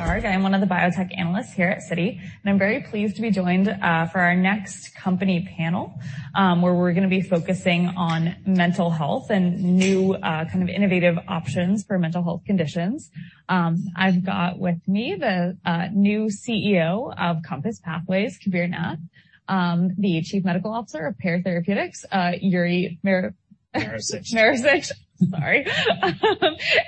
I'm one of the biotech analysts here at Citi, and I'm very pleased to be joined for our next company panel, where we're going to be focusing on mental health and new kinds of innovative options for mental health conditions. I've got with me the new CEO of Compass Pathways, Kabir Nath, the Chief Medical Officer of Pear Therapeutics, Yuri Maricich,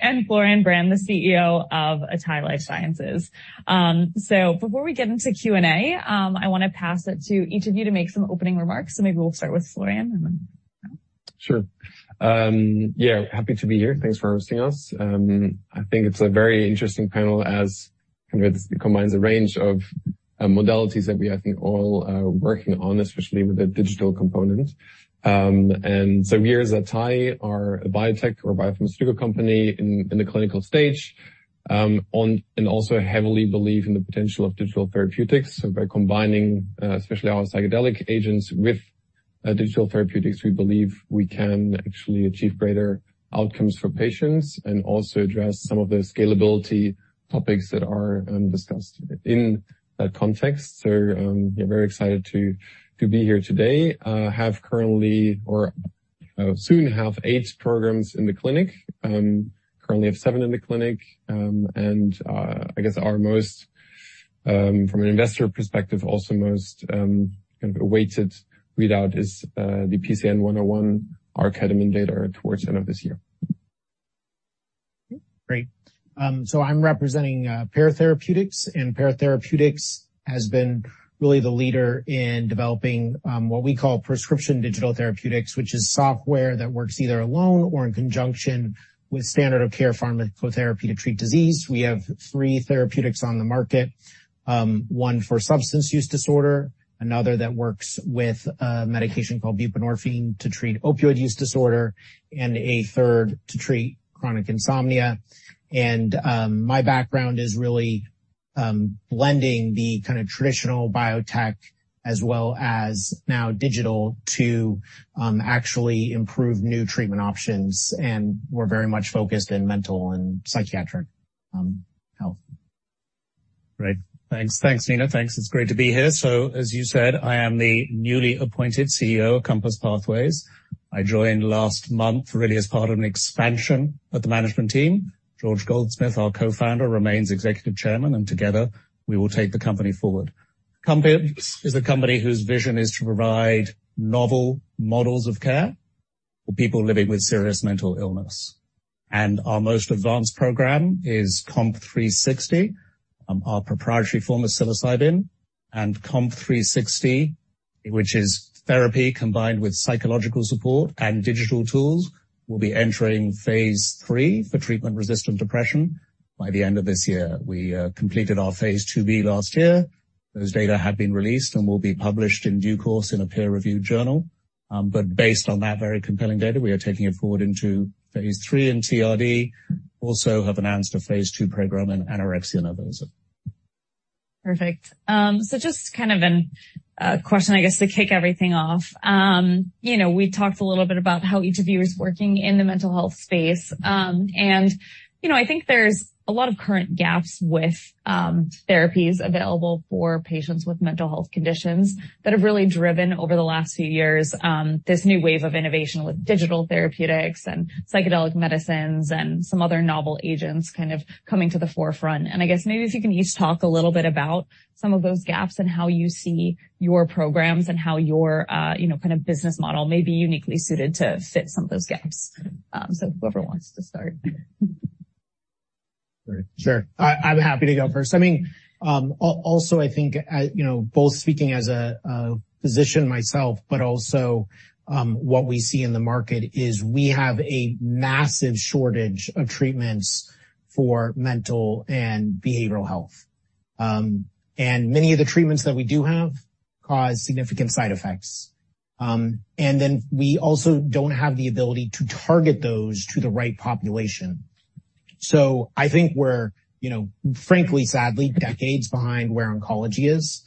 and Florian Brand, the CEO of atai Life Sciences. Before we get into Q&A, I want to pass it to each of you to make some opening remarks. Maybe we'll start with Florian. Sure. Yeah, happy to be here. Thanks for hosting us. I think it's a very interesting panel as it combines a range of modalities that we are all working on, especially with the digital component. We are as atai, a biotech or biopharmaceutical company in the clinical stage, and also heavily believe in the potential of digital therapeutics. By combining, especially our psychedelic agents with digital therapeutics, we believe we can actually achieve greater outcomes for patients and also address some of the scalability topics that are discussed in that context. We are very excited to be here today. I have currently, or soon have, eight programs in the clinic. Currently, I have seven in the clinic. I guess our most, from an investor perspective, also most awaited readout is the PCN-101, our ketamine data towards the end of this year. Great. I'm representing Pear Therapeutics, and Pear Therapeutics has been really the leader in developing what we call prescription digital therapeutics, which is software that works either alone or in conjunction with standard of care pharmacotherapy to treat disease. We have three therapeutics on the market: one for substance use disorder, another that works with a medication called buprenorphine to treat opioid use disorder, and a third to treat chronic insomnia. My background is really blending the kind of traditional biotech as well as now digital to actually improve new treatment options. We are very much focused in mental and psychiatric health. Great. Thanks. Thanks, Nina. Thanks. It's great to be here. As you said, I am the newly appointed CEO of Compass Pathways. I joined last month really as part of an expansion of the management team. George Goldsmith, our co-founder, remains executive chairman, and together we will take the company forward. Compass is a company whose vision is to provide novel models of care for people living with serious mental illness. Our most advanced program is COMP360, our proprietary form of psilocybin. COMP360, which is therapy combined with psychological support and digital tools, will be entering Phase III for treatment-resistant depression by the end of this year. We completed our Phase 2b last year. Those data have been released and will be published in due course in a peer-reviewed journal. Based on that very compelling data, we are taking it forward into Phase III in TRD. We also have announced a Phase II program in anorexia nervosa. Perfect. Just kind of a question, I guess, to kick everything off. We talked a little bit about how each of you is working in the mental health space. I think there's a lot of current gaps with therapies available for patients with mental health conditions that have really driven over the last few years this new wave of innovation with digital therapeutics and psychedelic medicines and some other novel agents kind of coming to the forefront. I guess maybe if you can each talk a little bit about some of those gaps and how you see your programs and how your kind of business model may be uniquely suited to fit some of those gaps. Whoever wants to start. Sure. I'm happy to go first. I mean, also, I think both speaking as a physician myself, but also what we see in the market is we have a massive shortage of treatments for mental and behavioral health. Many of the treatments that we do have cause significant side effects. We also don't have the ability to target those to the right population. I think we're, frankly, sadly, decades behind where oncology is.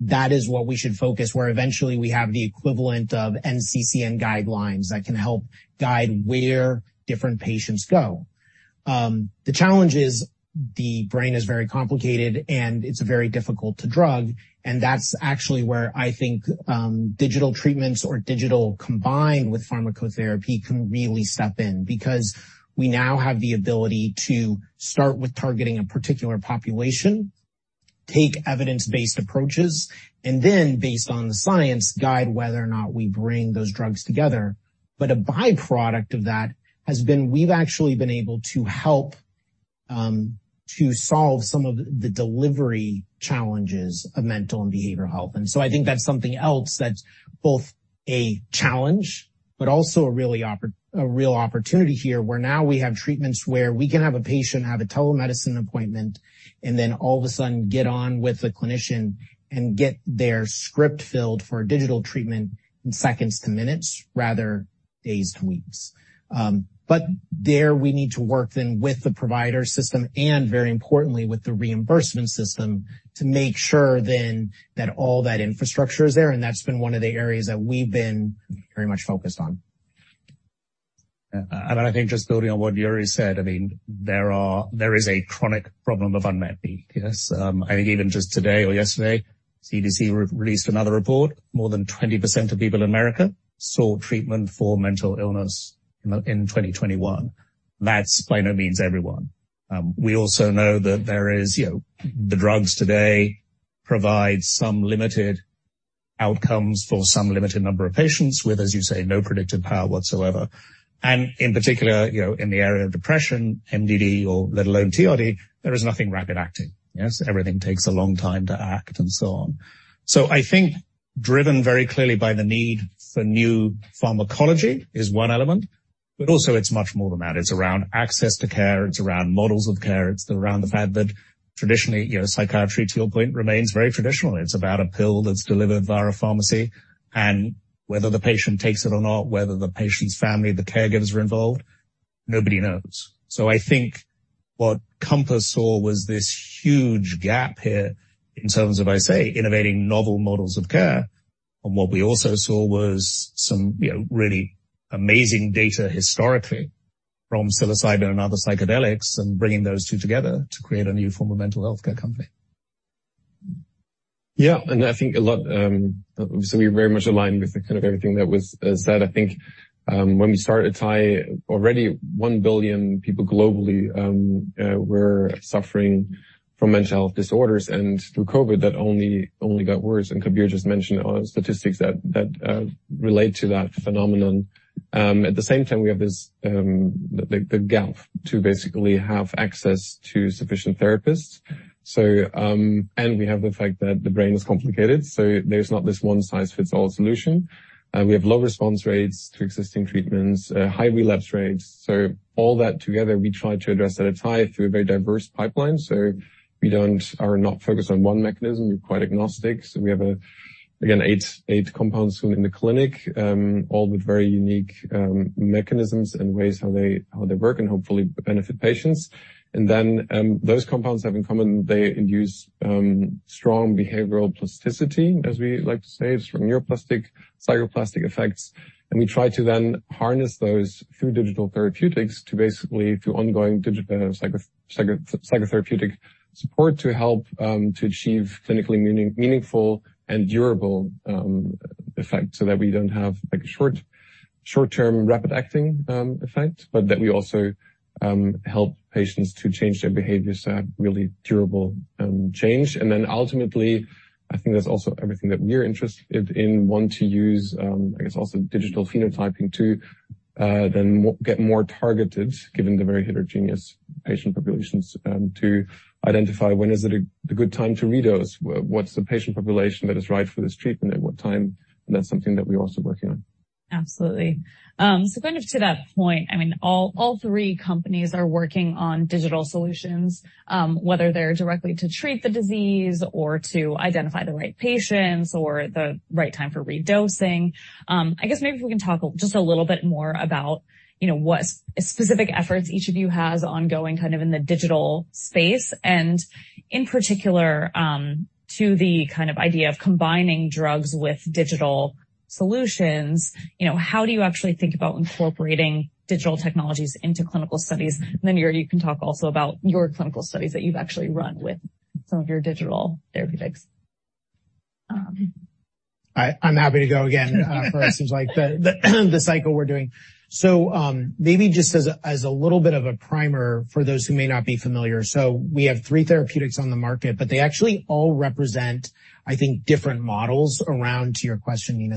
That is what we should focus on, where eventually we have the equivalent of NCCN guidelines that can help guide where different patients go. The challenge is the brain is very complicated, and it's very difficult to drug. That's actually where I think digital treatments or digital combined with pharmacotherapy can really step in because we now have the ability to start with targeting a particular population, take evidence-based approaches, and then, based on the science, guide whether or not we bring those drugs together. A byproduct of that has been we've actually been able to help to solve some of the delivery challenges of mental and behavioral health. I think that's something else that's both a challenge, but also a real opportunity here, where now we have treatments where we can have a patient have a telemedicine appointment and then all of a sudden get on with the clinician and get their script filled for digital treatment in seconds to minutes, rather than days to weeks. We need to work then with the provider system and, very importantly, with the reimbursement system to make sure then that all that infrastructure is there. That's been one of the areas that we've been very much focused on. I think just building on what Yuri said, I mean, there is a chronic problem of unmet needs. I think even just today or yesterday, CDC released another report. More than 20% of people in America sought treatment for mental illness in 2021. That's by no means everyone. We also know that there is drugs today provide some limited outcomes for some limited number of patients with, as you say, no predictive power whatsoever. In particular, in the area of depression, MDD, or let alone TRD, there is nothing rapid-acting. Everything takes a long time to act and so on. I think driven very clearly by the need for new pharmacology is one element, but also it's much more than that. It's around access to care. It's around models of care. It's around the fact that traditionally, psychiatry, to your point, remains very traditional. It's about a pill that's delivered via a pharmacy. Whether the patient takes it or not, whether the patient's family, the caregivers are involved, nobody knows. I think what Compass saw was this huge gap here in terms of, I say, innovating novel models of care. What we also saw was some really amazing data historically from psilocybin and other psychedelics and bringing those two together to create a new form of mental health care company. Yeah. I think a lot, so we very much align with kind of everything that was said. I think when we started Atai, already 1 billion people globally were suffering from mental health disorders and through COVID that only got worse. Kabir just mentioned statistics that relate to that phenomenon. At the same time, we have the gap to basically have access to sufficient therapists. We have the fact that the brain is complicated. There is not this one-size-fits-all solution. We have low response rates to existing treatments, high relapse rates. All that together, we try to address at atai through a very diverse pipeline. We are not focused on one mechanism. We are quite agnostic. We have, again, eight compounds in the clinic, all with very unique mechanisms and ways how they work and hopefully benefit patients. Those compounds have in common they induce strong behavioral plasticity, as we like to say, strong neuroplastic psychoplastic effects. We try to then harness those through digital therapeutics to basically through ongoing psychotherapeutic support to help to achieve clinically meaningful and durable effects so that we do not have a short-term rapid-acting effect, but that we also help patients to change their behaviors to have really durable change. Ultimately, I think that is also everything that we are interested in, want to use, I guess, also digital phenotyping to then get more targeted, given the very heterogeneous patient populations, to identify when is it a good time to re-dose, what is the patient population that is right for this treatment, and what time. That is something that we are also working on. Absolutely. Kind of to that point, I mean, all three companies are working on digital solutions, whether they're directly to treat the disease or to identify the right patients or the right time for re-dosing. I guess maybe if we can talk just a little bit more about what specific efforts each of you has ongoing kind of in the digital space. In particular, to the kind of idea of combining drugs with digital solutions, how do you actually think about incorporating digital technologies into clinical studies? Then Yuri, you can talk also about your clinical studies that you've actually run with some of your digital therapeutics. I'm happy to go again for us, seems like the cycle we're doing. Maybe just as a little bit of a primer for those who may not be familiar. We have three therapeutics on the market, but they actually all represent, I think, different models around your question, Nina.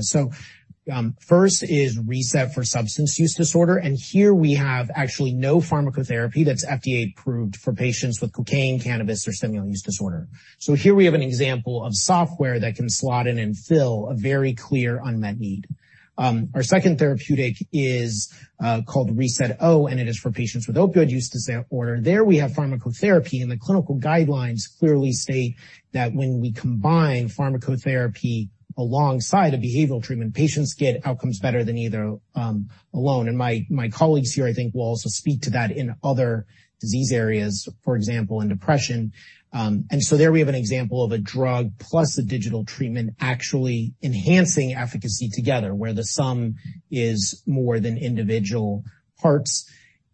First is Reset for substance-use disorder. Here we have actually no pharmacotherapy that's FDA-approved for patients with cocaine, cannabis, or stimulant use disorder. Here we have an example of software that can slot in and fill a very clear unmet need. Our second therapeutic is called reSET-O, and it is for patients with opioid-use disorder. There we have pharmacotherapy, and the clinical guidelines clearly state that when we combine pharmacotherapy alongside a behavioral treatment, patients get outcomes better than either alone. My colleagues here, I think, will also speak to that in other disease areas, for example, in depression. There we have an example of a drug plus a digital treatment actually enhancing efficacy together, where the sum is more than individual parts.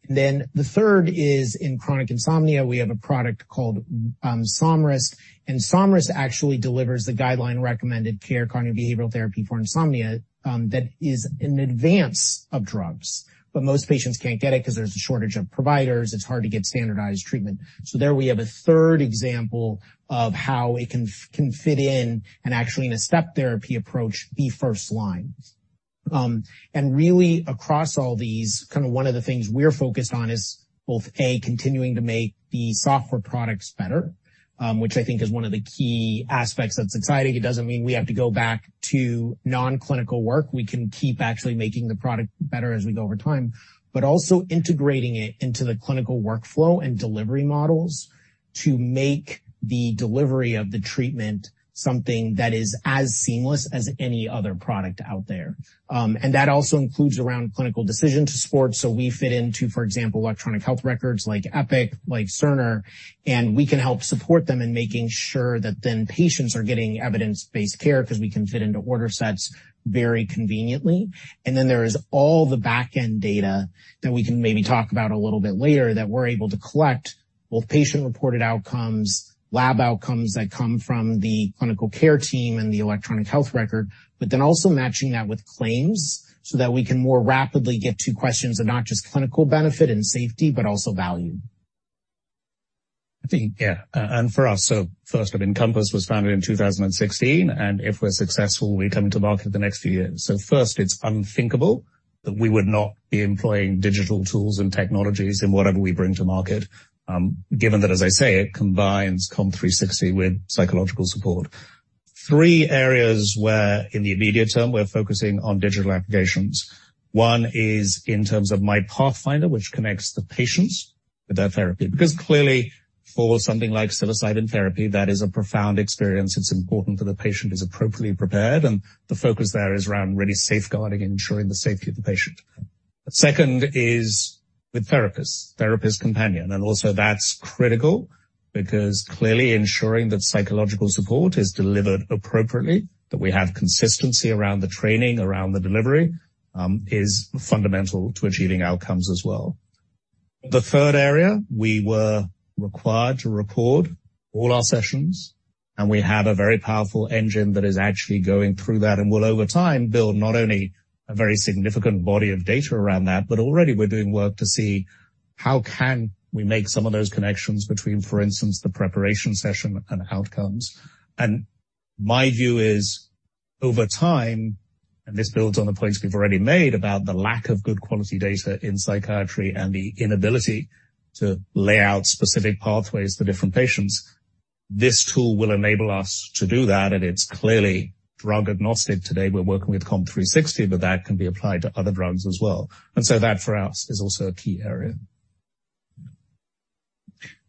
The third is in chronic insomnia. We have a product called Somryst. Somryst actually delivers the guideline-recommended care cognitive behavioral therapy for insomnia that is in advance of drugs. Most patients can't get it because there's a shortage of providers. It's hard to get standardized treatment. There we have a third example of how it can fit in and actually in a step therapy approach, be first line. Really, across all these, kind of one of the things we're focused on is both, A, continuing to make the software products better, which I think is one of the key aspects that's exciting. It doesn't mean we have to go back to non-clinical work. We can keep actually making the product better as we go over time, but also integrating it into the clinical workflow and delivery models to make the delivery of the treatment something that is as seamless as any other product out there. That also includes around clinical decision support. We fit into, for example, electronic health records like Epic, like Cerner, and we can help support them in making sure that then patients are getting evidence-based care because we can fit into order sets very conveniently. There is all the backend data that we can maybe talk about a little bit later that we're able to collect, both patient-reported outcomes, lab outcomes that come from the clinical care team and the electronic health record, but then also matching that with claims so that we can more rapidly get to questions of not just clinical benefit and safety, but also value. I think, yeah. For us, first, I mean, Compass was founded in 2016. If we're successful, we come to market in the next few years. First, it's unthinkable that we would not be employing digital tools and technologies in whatever we bring to market, given that, as I say, it combines COMP360 with psychological support. Three areas where, in the immediate term, we're focusing on digital applications. One is in terms of my pathfinder, which connects the patients with their therapy. Because clearly, for something like psilocybin therapy, that is a profound experience. It's important that the patient is appropriately prepared. The focus there is around really safeguarding and ensuring the safety of the patient. Second is with therapists, therapist companion. That is also critical because clearly ensuring that psychological support is delivered appropriately, that we have consistency around the training, around the delivery, is fundamental to achieving outcomes as well. The third area, we were required to record all our sessions. We have a very powerful engine that is actually going through that and will, over time, build not only a very significant body of data around that, but already we are doing work to see how we can make some of those connections between, for instance, the preparation session and outcomes. My view is, over time, and this builds on the points we have already made about the lack of good quality data in psychiatry and the inability to lay out specific pathways for different patients, this tool will enable us to do that. It is clearly drug-agnostic. Today, we're working with COMP360, but that can be applied to other drugs as well. That for us is also a key area.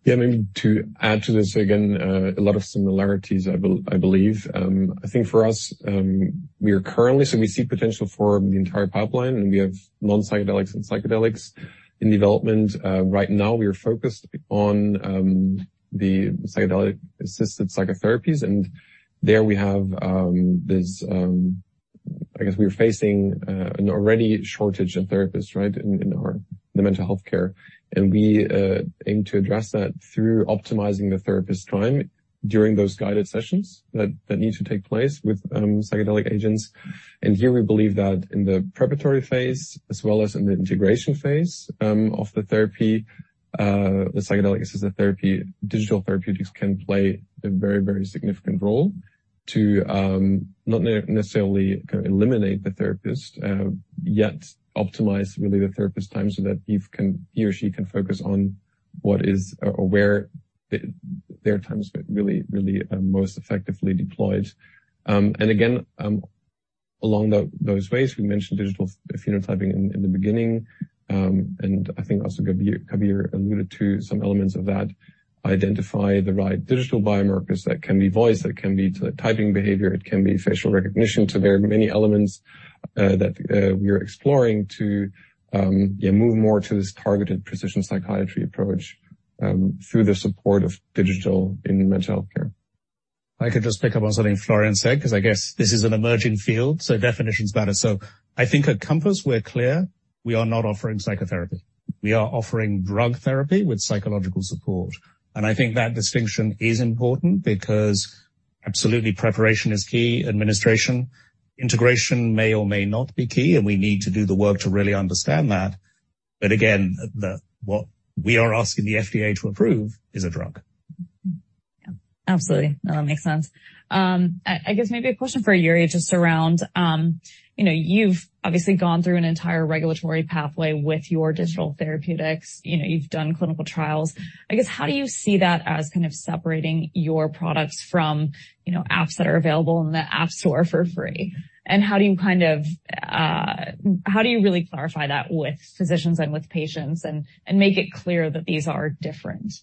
Yeah. I mean, to add to this again, a lot of similarities, I believe. I think for us, we are currently, so we see potential for the entire pipeline. And we have non-psychedelics and psychedelics in development. Right now, we are focused on the psychedelic-assisted psychotherapies. There we have this, I guess we're facing an already shortage of therapists, right, in the mental health care. We aim to address that through optimizing the therapist time during those guided sessions that need to take place with psychedelic agents. Here we believe that in the preparatory phase, as well as in the integration phase of the therapy, the psychedelic-assisted therapy, digital therapeutics can play a very, very significant role to not necessarily eliminate the therapist, yet optimize really the therapist time so that he or she can focus on what is or where their time is really, really most effectively deployed. Again, along those ways, we mentioned digital phenotyping in the beginning. I think also Kabir alluded to some elements of that, identify the right digital biomarkers that can be voice, that can be typing behavior, it can be facial recognition, so there are many elements that we are exploring to move more to this targeted precision psychiatry approach through the support of digital in mental health care. I could just pick up on something Florian said because I guess this is an emerging field, so definitions matter. I think at Compass, we're clear. We are not offering psychotherapy. We are offering drug therapy with psychological support. I think that distinction is important because absolutely preparation is key, administration, integration may or may not be key, and we need to do the work to really understand that. Again, what we are asking the FDA to approve is a drug. Yeah. Absolutely. No, that makes sense. I guess maybe a question for Yuri just around, you've obviously gone through an entire regulatory pathway with your digital therapeutics. You've done clinical trials. I guess how do you see that as kind of separating your products from apps that are available in the app store for free? How do you kind of, how do you really clarify that with physicians and with patients and make it clear that these are different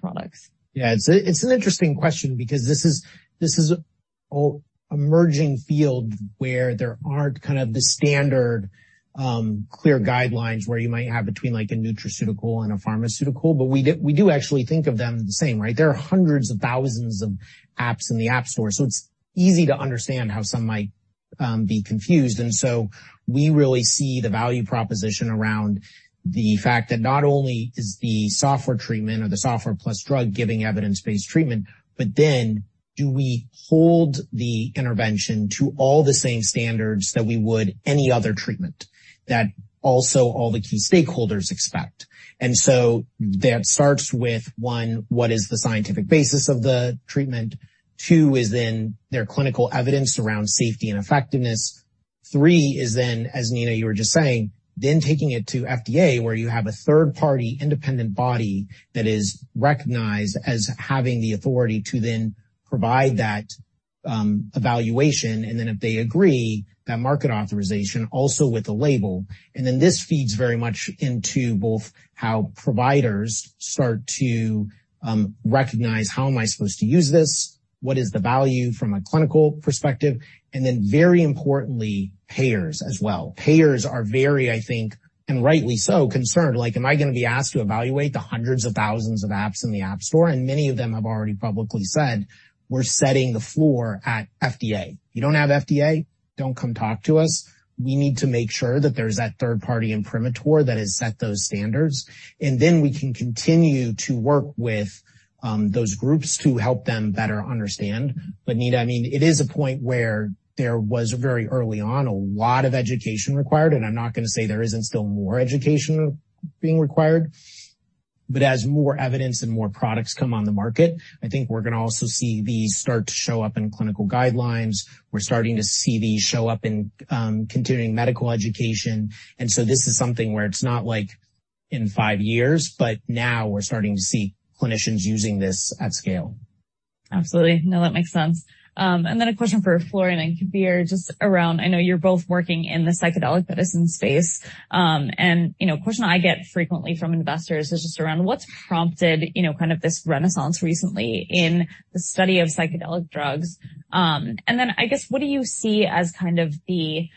products? Yeah. It's an interesting question because this is an emerging field where there aren't kind of the standard clear guidelines where you might have between a nutraceutical and a pharmaceutical, but we do actually think of them the same, right? There are hundreds of thousands of apps in the app store. It's easy to understand how some might be confused. We really see the value proposition around the fact that not only is the software treatment or the software plus drug giving evidence-based treatment, but then do we hold the intervention to all the same standards that we would any other treatment that also all the key stakeholders expect? That starts with, one, what is the scientific basis of the treatment? Two is then their clinical evidence around safety and effectiveness. Three is then, as Nina you were just saying, then taking it to FDA where you have a third-party independent body that is recognized as having the authority to then provide that evaluation. If they agree, that market authorization also with a label. This feeds very much into both how providers start to recognize, how am I supposed to use this? What is the value from a clinical perspective? Very importantly, payers as well. Payers are very, I think, and rightly so, concerned. Like, am I going to be asked to evaluate the hundreds of thousands of apps in the app store? Many of them have already publicly said, we're setting the floor at FDA. You don't have FDA, don't come talk to us. We need to make sure that there's that third-party imprimatur that has set those standards. We can continue to work with those groups to help them better understand. Nina, I mean, it is a point where there was very early on a lot of education required. I'm not going to say there isn't still more education being required. As more evidence and more products come on the market, I think we're going to also see these start to show up in clinical guidelines. We're starting to see these show up in continuing medical education. This is something where it's not like in five years, but now we're starting to see clinicians using this at scale. Absolutely. No, that makes sense. A question for Florian and Kabir just around, I know you're both working in the psychedelic medicine space. A question I get frequently from investors is just around what's prompted kind of this renaissance recently in the study of psychedelic drugs. I guess what do you see as kind of the,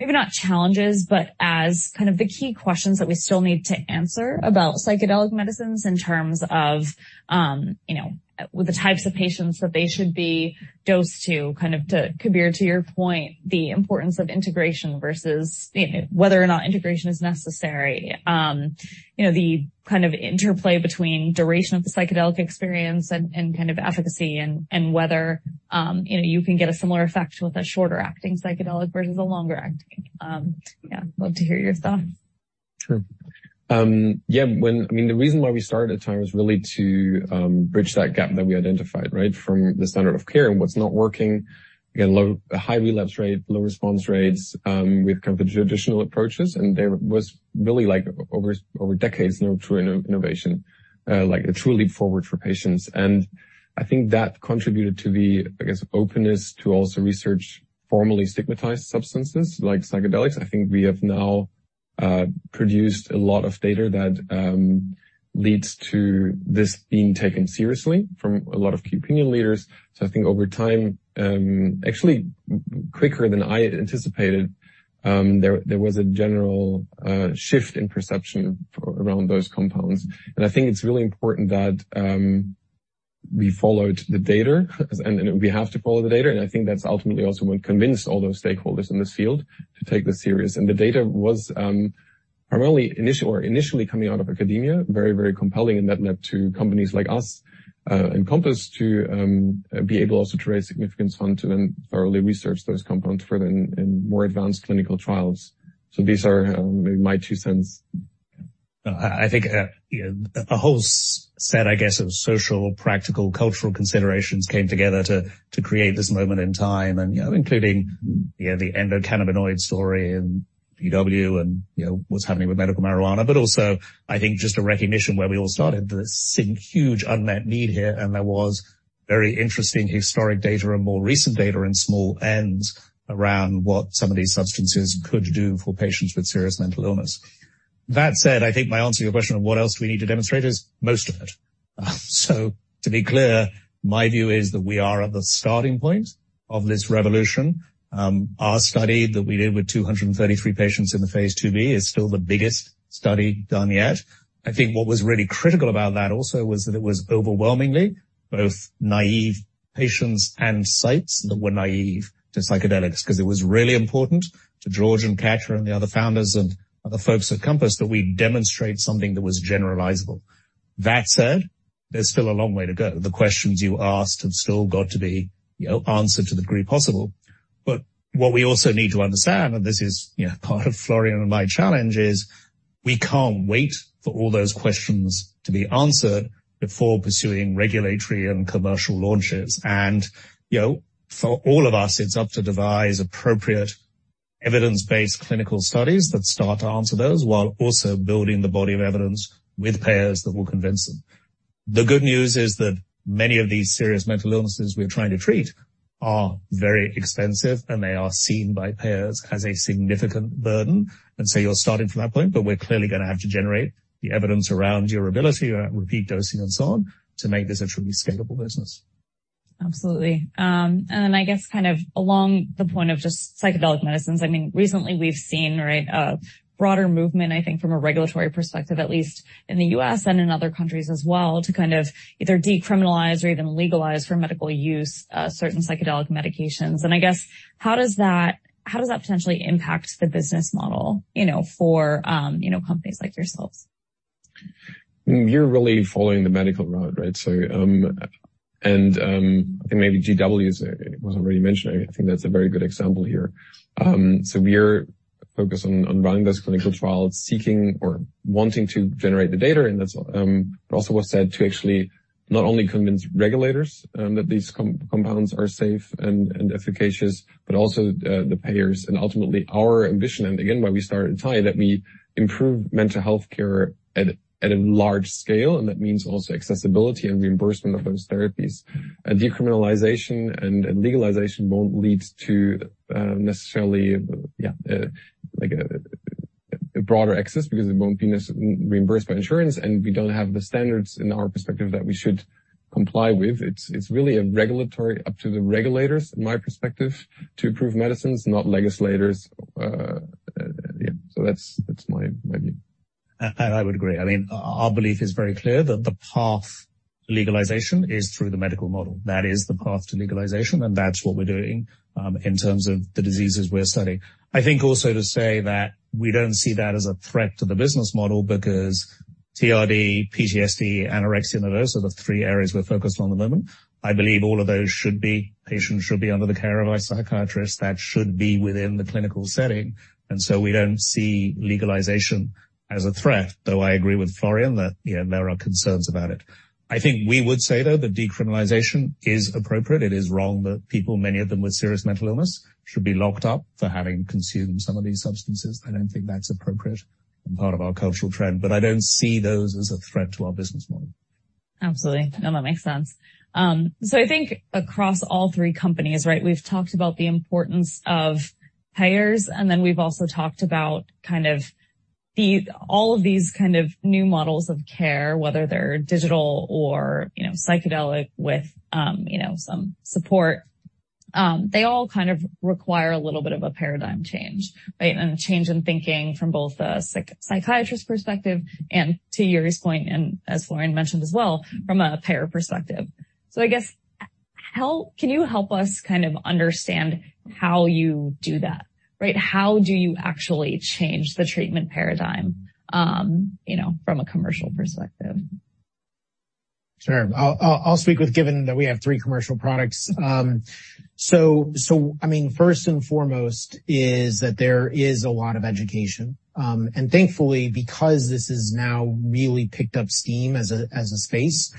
maybe not challenges, but as kind of the key questions that we still need to answer about psychedelic medicines in terms of the types of patients that they should be dosed to? Kind of to Kabir, to your point, the importance of integration versus whether or not integration is necessary, the kind of interplay between duration of the psychedelic experience and kind of efficacy and whether you can get a similar effect with a shorter-acting psychedelic versus a longer-acting. Yeah. Love to hear your thoughts. Sure. Yeah. I mean, the reason why we started atai was really to bridge that gap that we identified, right, from the standard of care and what's not working. We had a high relapse rate, low response rates. We've come to traditional approaches. There was really over decades, no true innovation, like a true leap forward for patients. I think that contributed to the, I guess, openness to also research formally stigmatized substances like psychedelics. I think we have now produced a lot of data that leads to this being taken seriously from a lot of key opinion leaders. I think over time, actually quicker than I anticipated, there was a general shift in perception around those compounds. I think it's really important that we followed the data, and we have to follow the data. I think that's ultimately also what convinced all those stakeholders in this field to take this serious. The data was primarily initially coming out of academia, very, very compelling. That led to companies like us and Compass to be able also to raise significant funds to then thoroughly research those compounds further in more advanced clinical trials. These are maybe my two cents. I think a whole set, I guess, of social, practical, cultural considerations came together to create this moment in time, including the endocannabinoid story in PW and what's happening with medical marijuana, but also, I think, just a recognition where we all started, this huge unmet need here. There was very interesting historic data and more recent data in small ends around what some of these substances could do for patients with serious mental illness. That said, I think my answer to your question of what else do we need to demonstrate is most of it. To be clear, my view is that we are at the starting point of this revolution. Our study that we did with 233 patients in the Phase 2b is still the biggest study done yet. I think what was really critical about that also was that it was overwhelmingly both naive patients and sites that were naive to psychedelics because it was really important to George and Katya and the other founders and other folks at Compass that we demonstrate something that was generalizable. That said, there is still a long way to go. The questions you asked have still got to be answered to the degree possible. What we also need to understand, and this is part of Florian and my challenge, is we cannot wait for all those questions to be answered before pursuing regulatory and commercial launches. For all of us, it is up to devise appropriate evidence-based clinical studies that start to answer those while also building the body of evidence with payers that will convince them. The good news is that many of these serious mental illnesses we're trying to treat are very expensive, and they are seen by payers as a significant burden. You're starting from that point, but we're clearly going to have to generate the evidence around durability, repeat dosing, and so on to make this a truly scalable business. Absolutely. I guess kind of along the point of just psychedelic medicines, I mean, recently we've seen, right, a broader movement, I think, from a regulatory perspective, at least in the U.S. and in other countries as well, to kind of either decriminalize or even legalize for medical use certain psychedelic medications. I guess how does that potentially impact the business model for companies like yourselves? You're really following the medical road, right? I think maybe GW was already mentioned. I think that's a very good example here. We're focused on running those clinical trials, seeking or wanting to generate the data. That's also what's said to actually not only convince regulators that these compounds are safe and efficacious, but also the payers. Ultimately, our ambition, and again, why we started atai, is that we improve mental health care at a large scale. That means also accessibility and reimbursement of those therapies. Decriminalization and legalization won't lead to necessarily a broader access because it won't be reimbursed by insurance. We don't have the standards in our perspective that we should comply with. It's really regulatory, up to the regulators, in my perspective, to approve medicines, not legislators. Yeah. That's my view. I would agree. I mean, our belief is very clear that the path to legalization is through the medical model. That is the path to legalization. That's what we're doing in terms of the diseases we're studying. I think also to say that we don't see that as a threat to the business model because TRD, PTSD, anorexia nervosa are the three areas we're focused on at the moment. I believe all of those should be patients should be under the care of a psychiatrist. That should be within the clinical setting. We don't see legalization as a threat, though I agree with Florian that there are concerns about it. I think we would say, though, that decriminalization is appropriate. It is wrong that people, many of them with serious mental illness, should be locked up for having consumed some of these substances. I don't think that's appropriate and part of our cultural trend. I don't see those as a threat to our business model. Absolutely. No, that makes sense. I think across all three companies, right, we've talked about the importance of payers. We've also talked about kind of all of these kind of new models of care, whether they're digital or psychedelic with some support. They all kind of require a little bit of a paradigm change, right, and a change in thinking from both a psychiatrist perspective and to Yuri's point, and as Florian mentioned as well, from a payer perspective. I guess can you help us kind of understand how you do that, right? How do you actually change the treatment paradigm from a commercial perspective? Sure. I'll speak with given that we have three commercial products. I mean, first and foremost is that there is a lot of education. Thankfully, because this has now really picked up steam as a space,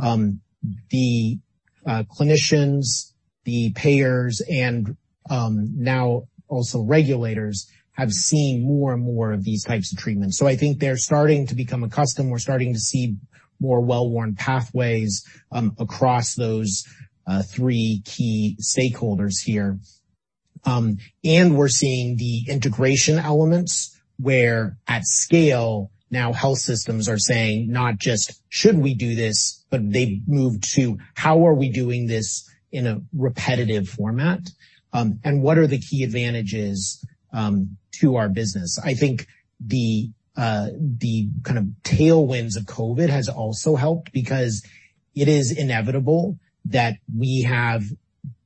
the clinicians, the payers, and now also regulators have seen more and more of these types of treatments. I think they're starting to become accustomed. We're starting to see more well-worn pathways across those three key stakeholders here. We're seeing the integration elements where at scale, now health systems are saying not just, "Should we do this?" They have moved to, "How are we doing this in a repetitive format?" What are the key advantages to our business? I think the kind of tailwinds of COVID has also helped because it is inevitable that we have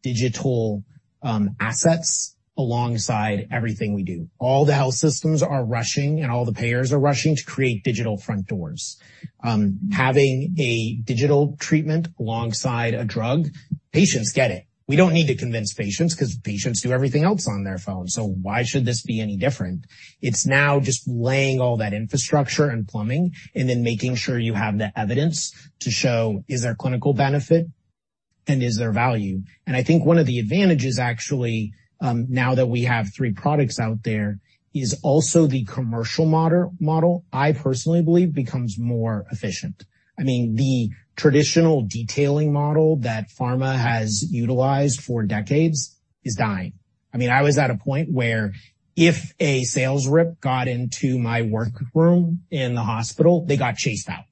digital assets alongside everything we do. All the health systems are rushing, and all the payers are rushing to create digital front doors. Having a digital treatment alongside a drug, patients get it. We do not need to convince patients because patients do everything else on their phone. Why should this be any different? It is now just laying all that infrastructure and plumbing and then making sure you have the evidence to show, is there clinical benefit and is there value? I think one of the advantages actually now that we have three products out there is also the commercial model, I personally believe, becomes more efficient. I mean, the traditional detailing model that pharma has utilized for decades is dying. I mean, I was at a point where if a sales rep got into my workroom in the hospital, they got chased out.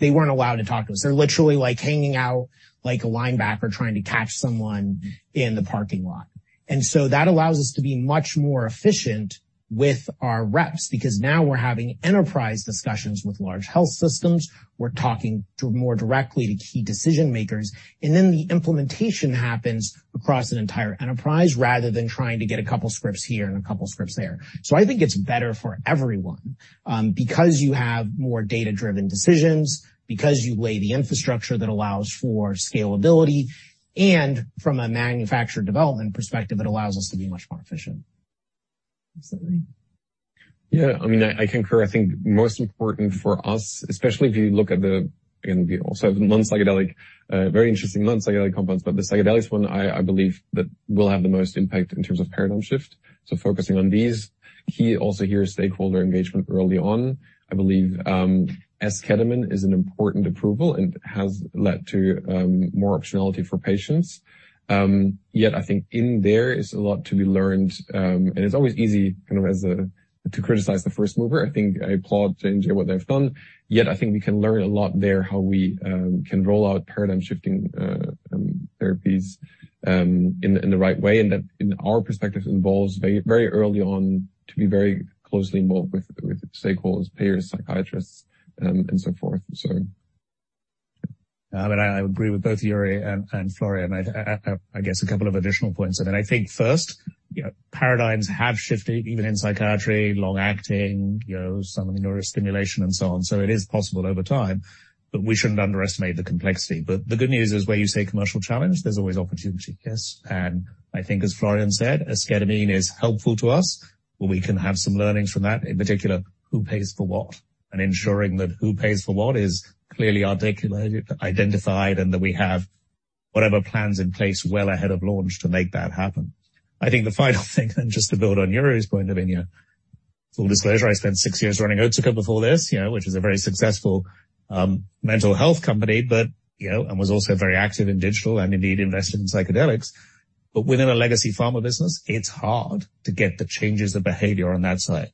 They were not allowed to talk to us. They're literally hanging out like a linebacker trying to catch someone in the parking lot. That allows us to be much more efficient with our reps because now we're having enterprise discussions with large health systems. We're talking more directly to key decision-makers. The implementation happens across an entire enterprise rather than trying to get a couple of scripts here and a couple of scripts there. I think it's better for everyone because you have more data-driven decisions, because you lay the infrastructure that allows for scalability. From a manufacturer development perspective, it allows us to be much more efficient. Absolutely. Yeah. I mean, I concur. I think most important for us, especially if you look at the, again, we also have non-psychedelic, very interesting non-psychedelic compounds, but the psychedelics one, I believe that will have the most impact in terms of paradigm shift. Focusing on these, key also here is stakeholder engagement early on. I believe esketamine is an important approval and has led to more optionality for patients. Yet I think in there is a lot to be learned. It's always easy kind of to criticize the first mover. I think I applaud Janssen, what they've done. Yet I think we can learn a lot there how we can roll out paradigm-shifting therapies in the right way. That in our perspective involves very early on to be very closely involved with stakeholders, payers, psychiatrists, and so forth. I mean, I agree with both Yuri and Florian. I guess a couple of additional points. I mean, I think first, paradigms have shifted even in psychiatry, long-acting, some of the neurostimulation, and so on. It is possible over time, but we shouldn't underestimate the complexity. The good news is where you say commercial challenge, there's always opportunity, yes. I think as Florian said, esketamine is helpful to us. We can have some learnings from that, in particular, who pays for what. Ensuring that who pays for what is clearly articulated, identified, and that we have whatever plans in place well ahead of launch to make that happen. I think the final thing, and just to build on Yuri's point of view, full disclosure, I spent six years running Otsuka before this, which is a very successful mental health company, and was also very active in digital and indeed invested in psychedelics. Within a legacy pharma business, it's hard to get the changes of behavior on that side.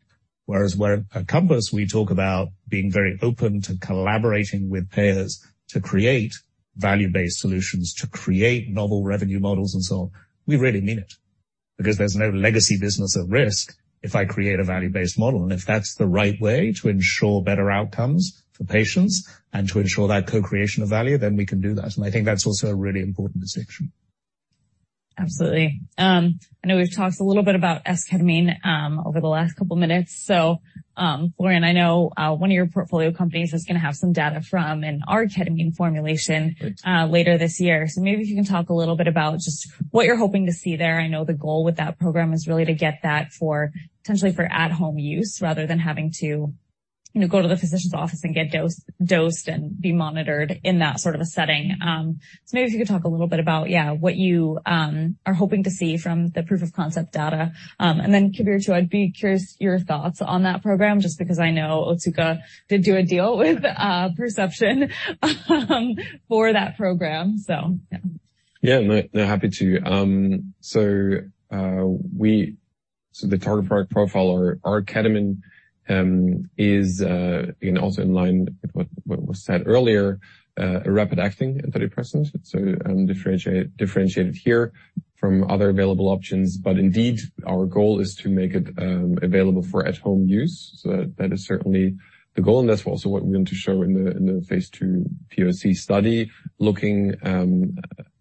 Whereas at Compass, we talk about being very open to collaborating with payers to create value-based solutions, to create novel revenue models and so on. We really mean it because there's no legacy business at risk if I create a value-based model. If that's the right way to ensure better outcomes for patients and to ensure that co-creation of value, then we can do that. I think that's also a really important distinction. Absolutely. I know we've talked a little bit about esketamine over the last couple of minutes. Florian, I know one of your portfolio companies is going to have some data from an arketamine formulation later this year. Maybe if you can talk a little bit about just what you're hoping to see there. I know the goal with that program is really to get that potentially for at-home use rather than having to go to the physician's office and get dosed and be monitored in that sort of a setting. Maybe if you could talk a little bit about, yeah, what you are hoping to see from the proof of concept data. Kibir, too, I'd be curious your thoughts on that program just because I know Otsuka did do a deal with Perception for that program, yeah. Yeah. No, happy to. The target product profile, our ketamine is also in line with what was said earlier, a rapid acting antidepressant. Differentiated here from other available options. Indeed, our goal is to make it available for at-home use. That is certainly the goal. That is also what we want to show in the Phase II POC study looking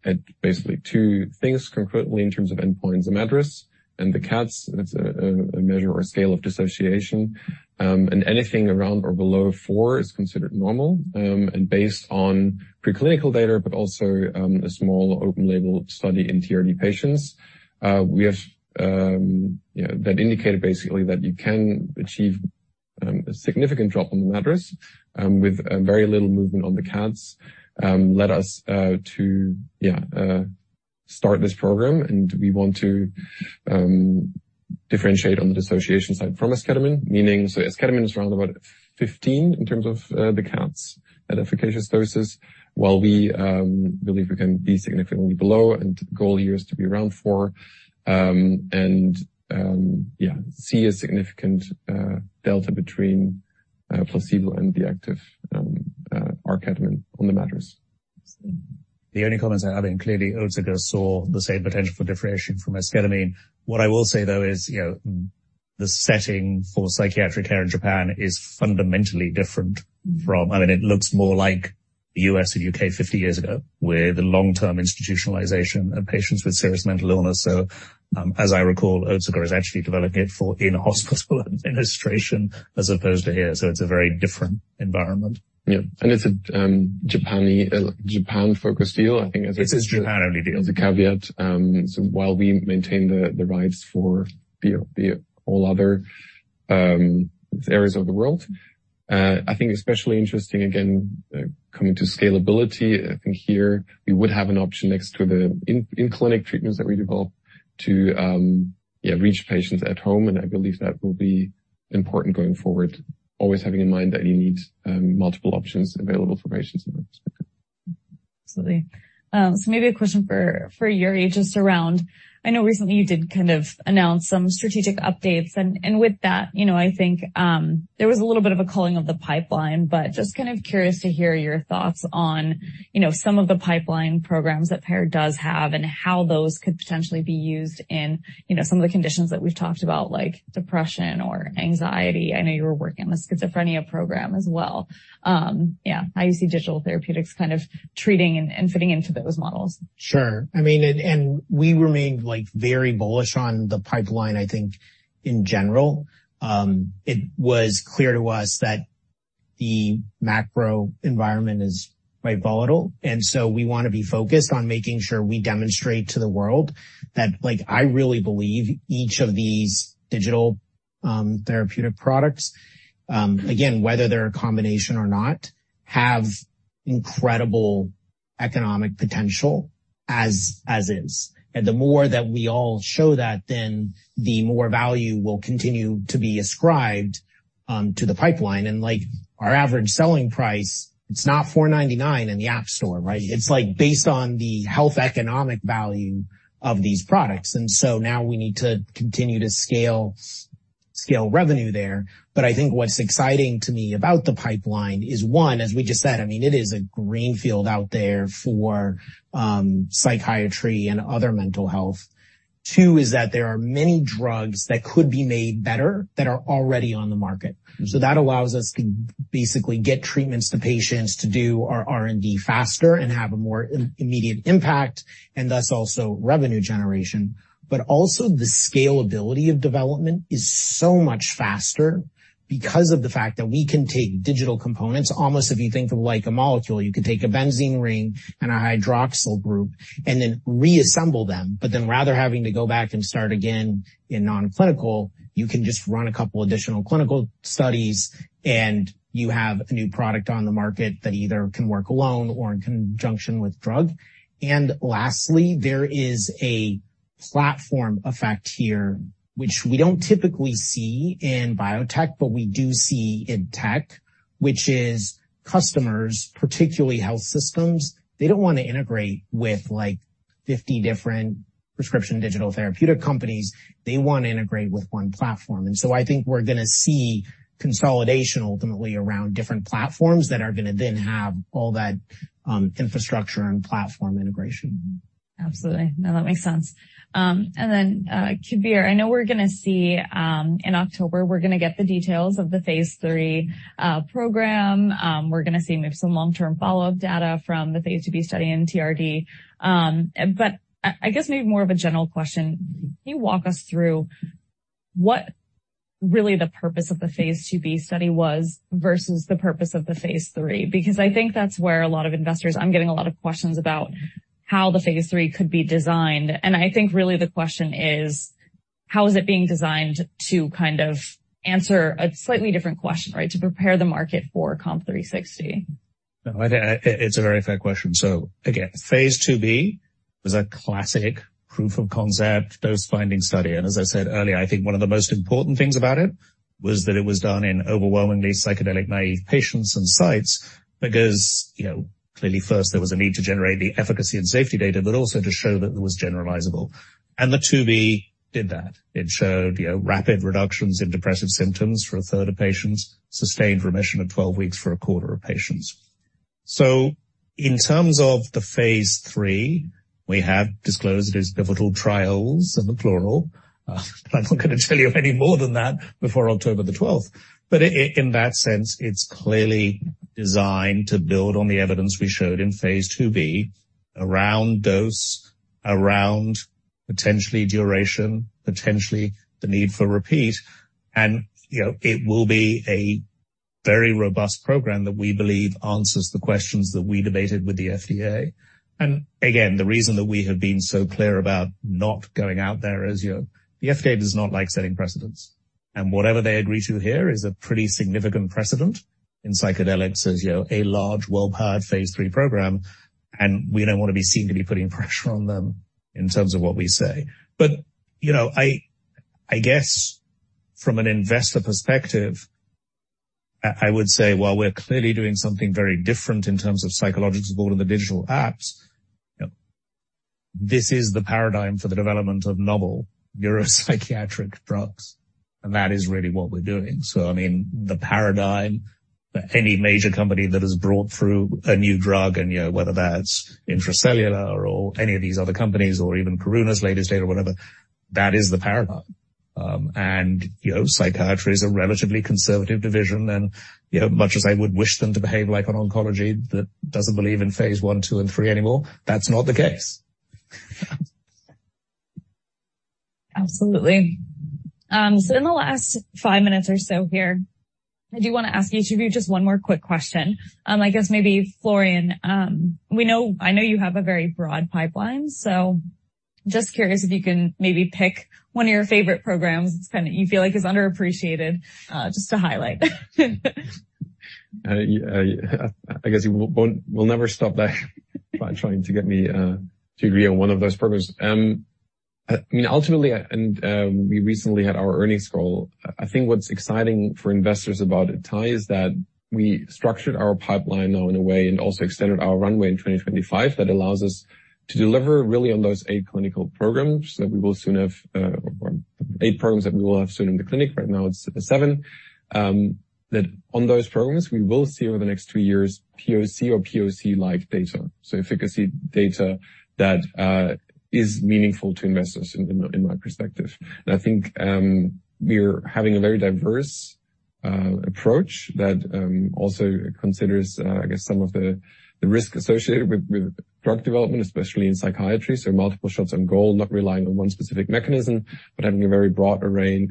at basically two things concurrently in terms of endpoints and address. The CADDS, that is a measure or a scale of dissociation. Anything around or below four is considered normal. Based on preclinical data, but also a small open-label study in TRD patients, we have that indicator basically that you can achieve a significant drop in the MADRS with very little movement on the CADDS led us to start this program. We want to differentiate on the dissociation side from esketamine, meaning esketamine is around about 15 in terms of the CADDS at efficacious doses, while we believe we can be significantly below. The goal here is to be around four and, yeah, see a significant delta between placebo and the active arketamine on the mattress. The only comments I have are clearly Otsuka saw the same potential for differentiation from esketamine. What I will say, though, is the setting for psychiatric care in Japan is fundamentally different from, I mean, it looks more like the U.S. and U.K. 50 years ago with the long-term institutionalization of patients with serious mental illness. As I recall, Otsuka is actually developing it for in-hospital administration as opposed to here. It is a very different environment. Yeah. It is a Japan-focused deal, I think. It is a Japan-only deal. It's a caveat. While we maintain the rights for all other areas of the world, I think especially interesting, again, coming to scalability, I think here we would have an option next to the in-clinic treatments that we develop to reach patients at home. I believe that will be important going forward, always having in mind that you need multiple options available for patients in that perspective. Absolutely. Maybe a question for Yuri just around, I know recently you did kind of announce some strategic updates. With that, I think there was a little bit of a culling of the pipeline, but just kind of curious to hear your thoughts on some of the pipeline programs that Paired does have and how those could potentially be used in some of the conditions that we've talked about, like depression or anxiety. I know you were working on the schizophrenia program as well. Yeah. How you see digital therapeutics kind of treating and fitting into those models. Sure. I mean, and we remained very bullish on the pipeline, I think, in general. It was clear to us that the macro environment is quite volatile. We want to be focused on making sure we demonstrate to the world that I really believe each of these digital therapeutic products, again, whether they're a combination or not, have incredible economic potential as is. The more that we all show that, then the more value will continue to be ascribed to the pipeline. Our average selling price, it's not $4.99 in the app store, right? It's based on the health economic value of these products. We need to continue to scale revenue there. I think what's exciting to me about the pipeline is one, as we just said, I mean, it is a greenfield out there for psychiatry and other mental health. Two is that there are many drugs that could be made better that are already on the market. That allows us to basically get treatments to patients to do our R&D faster and have a more immediate impact and thus also revenue generation. Also, the scalability of development is so much faster because of the fact that we can take digital components. Almost if you think of like a molecule, you could take a benzene ring and a hydroxyl group and then reassemble them. Rather than having to go back and start again in non-clinical, you can just run a couple of additional clinical studies and you have a new product on the market that either can work alone or in conjunction with drug. Lastly, there is a platform effect here, which we do not typically see in biotech, but we do see in tech, which is customers, particularly health systems, do not want to integrate with 50 different prescription digital therapeutic companies. They want to integrate with one platform. I think we are going to see consolidation ultimately around different platforms that are going to then have all that infrastructure and platform integration. Absolutely. No, that makes sense. Kibir, I know we're going to see in October, we're going to get the details of the Phase III program. We're going to see maybe some long-term follow-up data from the Phase 2b study in TRD. I guess maybe more of a general question, can you walk us through what really the purpose of the Phase 2b study was versus the purpose of the Phase III? I think that's where a lot of investors, I'm getting a lot of questions about how the Phase III could be designed. I think really the question is, how is it being designed to kind of answer a slightly different question, right, to prepare the market for COMP360? It's a very fair question. Again, Phase 2b was a classic proof of concept dose-finding study. As I said earlier, I think one of the most important things about it was that it was done in overwhelmingly psychedelic naive patients and sites because clearly first there was a need to generate the efficacy and safety data, but also to show that it was generalizable. The 2b did that. It showed rapid reductions in depressive symptoms for a third of patients, sustained remission of 12 weeks for a quarter of patients. In terms of the Phase III, we have disclosed it is pivotal trials in the plural. I'm not going to tell you any more than that before October the 12th. In that sense, it's clearly designed to build on the evidence we showed in Phase 2b around dose, around potentially duration, potentially the need for repeat. It will be a very robust program that we believe answers the questions that we debated with the FDA. The reason that we have been so clear about not going out there is the FDA does not like setting precedents. Whatever they agree to here is a pretty significant precedent in psychedelics as a large, well-powered Phase III program. We don't want to be seen to be putting pressure on them in terms of what we say. I guess from an investor perspective, I would say, while we're clearly doing something very different in terms of psychological support in the digital apps, this is the paradigm for the development of novel neuropsychiatric drugs. That is really what we're doing. I mean, the paradigm for any major company that has brought through a new drug, and whether that's intracellular or any of these other companies or even Karuna's latest data or whatever, that is the paradigm. Psychiatry is a relatively conservative division. Much as I would wish them to behave like an oncology that doesn't believe in Phase I, II, and III anymore, that's not the case. Absolutely. In the last five minutes or so here, I do want to ask each of you just one more quick question. I guess maybe Florian, I know you have a very broad pipeline, so just curious if you can maybe pick one of your favorite programs that you feel like is underappreciated just to highlight. I guess we'll never stop that by trying to get me to agree on one of those programs. I mean, ultimately, we recently had our earnings call. I think what's exciting for investors about it is that we structured our pipeline now in a way and also extended our runway in 2025 that allows us to deliver really on those eight clinical programs that we will soon have, eight programs that we will have soon in the clinic. Right now, it's seven. On those programs, we will see over the next two years POC or POC-like data. Efficacy data that is meaningful to investors in my perspective. I think we're having a very diverse approach that also considers, I guess, some of the risk associated with drug development, especially in psychiatry. Multiple shots on goal, not relying on one specific mechanism, but having a very broad array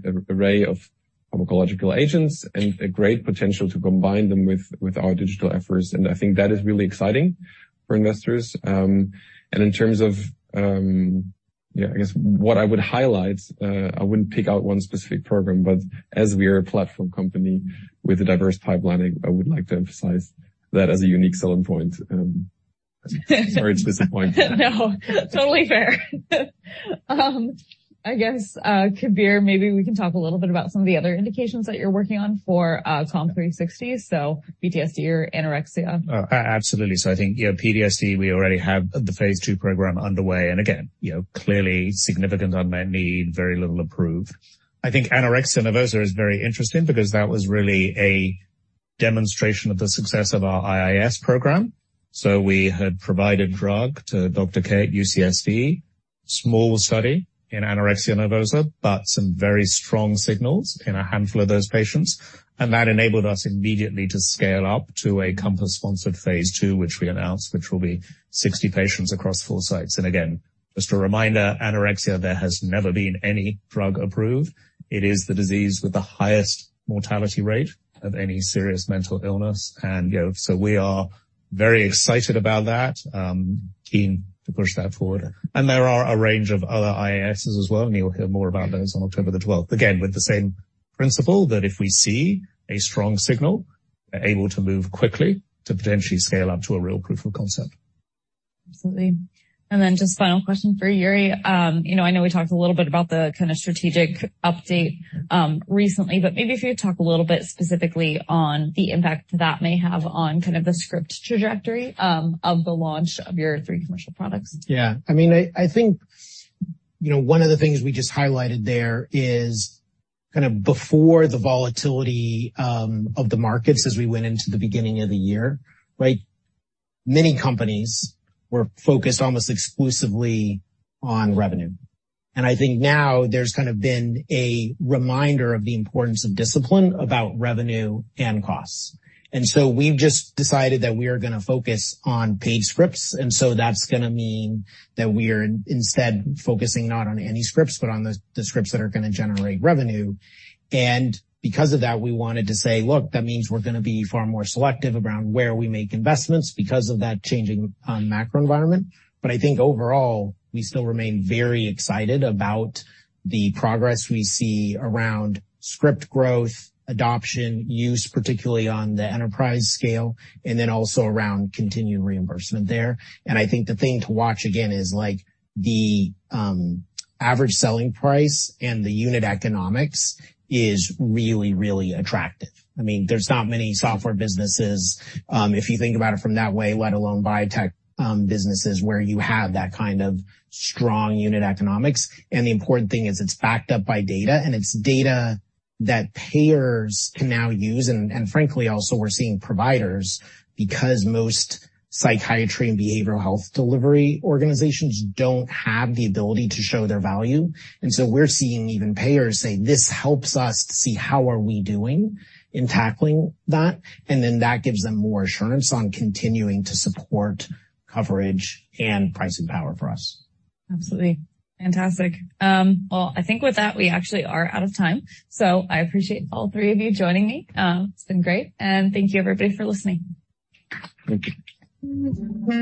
of pharmacological agents and a great potential to combine them with our digital efforts. I think that is really exciting for investors. In terms of what I would highlight, I would not pick out one specific program, but as we are a platform company with a diverse pipeline, I would like to emphasize that as a unique selling point. Sorry, it is disappointing. No, totally fair. I guess, Kabir, maybe we can talk a little bit about some of the other indications that you're working on for COMP360. PTSD or anorexia? Absolutely. I think PTSD, we already have the Phase II program underway. Again, clearly significant unmet need, very little approved. I think anorexia nervosa is very interesting because that was really a demonstration of the success of our IIS program. We had provided drug to Dr. Kate at UCSD, small study in anorexia nervosa, but some very strong signals in a handful of those patients. That enabled us immediately to scale up to a Compass-sponsored Phase II, which we announced, which will be 60 patients across four sites. Again, just a reminder, anorexia, there has never been any drug approved. It is the disease with the highest mortality rate of any serious mental illness. We are very excited about that, keen to push that forward. There are a range of other IISs as well, and you'll hear more about those on October the 12th. Again, with the same principle that if we see a strong signal, we're able to move quickly to potentially scale up to a real proof of concept. Absolutely. And then just final question for Yuri. I know we talked a little bit about the kind of strategic update recently, but maybe if you could talk a little bit specifically on the impact that may have on kind of the script trajectory of the launch of your three commercial products. Yeah. I mean, I think one of the things we just highlighted there is kind of before the volatility of the markets as we went into the beginning of the year, right? Many companies were focused almost exclusively on revenue. I think now there's kind of been a reminder of the importance of discipline about revenue and costs. We have just decided that we are going to focus on paid scripts. That is going to mean that we are instead focusing not on any scripts, but on the scripts that are going to generate revenue. Because of that, we wanted to say, look, that means we are going to be far more selective around where we make investments because of that changing macro environment. I think overall, we still remain very excited about the progress we see around script growth, adoption, use, particularly on the enterprise scale, and also around continued reimbursement there. I think the thing to watch again is the average selling price and the unit economics is really, really attractive. I mean, there's not many software businesses, if you think about it from that way, let alone biotech businesses where you have that kind of strong unit economics. The important thing is it's backed up by data, and it's data that payers can now use. Frankly, also we're seeing providers because most psychiatry and behavioral health delivery organizations don't have the ability to show their value. We're seeing even payers say, this helps us to see how are we doing in tackling that. That gives them more assurance on continuing to support coverage and pricing power for us. Absolutely. Fantastic. I think with that, we actually are out of time. I appreciate all three of you joining me. It's been great. Thank you, everybody, for listening. Thank you.